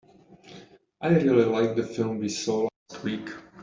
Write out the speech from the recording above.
I really liked the film we saw last week.